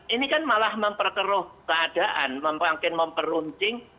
ini kan malah memperkeruh keadaan mempengaruhi memperunding